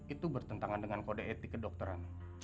itu bertentangan dengan kode etik ke dokteran